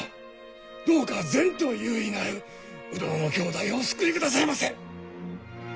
どうか前途有為なる鵜殿の兄弟をお救いくださいませ！